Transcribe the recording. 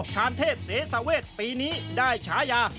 ชานเทพเสสาเวทปีนี้ได้ฉายา